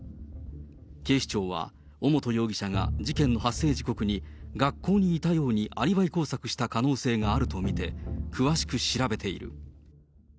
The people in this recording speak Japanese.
警視庁は、尾本容疑者が事件の発生時刻に学校にいたようにアリバイ工作した可能性があると見て、詳しく調べている。